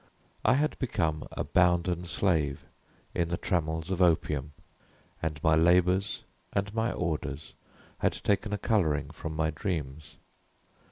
I had become a bounden slave in the trammels of opium, and my labors and my orders had taken a coloring from my dreams.